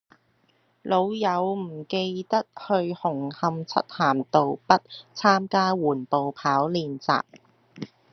老友唔記得去紅磡漆咸道北參加緩步跑練習